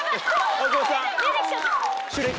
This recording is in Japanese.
大久保さん。